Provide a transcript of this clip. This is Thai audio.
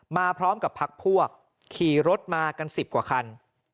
มาพร้อมกับพักพวกขี่รถมากัน๑๐กว่าคัน